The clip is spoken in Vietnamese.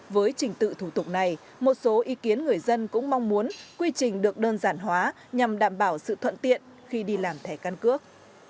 với trình tự thủ tục này một số ý kiến người dân cũng mong muốn quy trình được đơn giản hóa nhằm đảm bảo sự thuận tiện khi đi làm thẻ căn cước